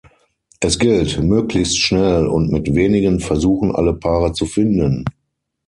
Es gilt, möglichst schnell und mit wenigen Versuchen alle Paare zu finden.